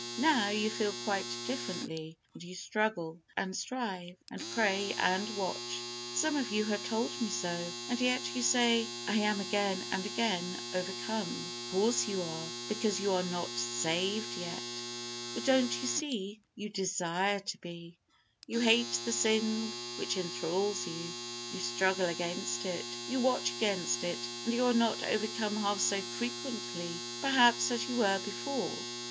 Now, you feel quite differently, and you struggle, and strive, and pray, and watch. Some of you have told me so, and yet you say, "I am again and again overcome." Of course you are, because you are not saved yet! But don't you see, you desire to be. You hate the sin which enthrals you. You struggle against it. You watch against it and you are not overcome half so frequently, perhaps, as you were before.